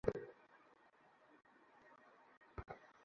কুট্টির কিছু হবে না।